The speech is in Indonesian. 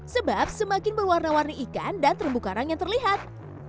sebab semakin berwarna warni ikan dan terumbu karang yang terlihat